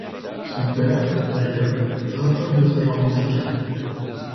Son père, d'ailleurs, raffole de ce genre musical.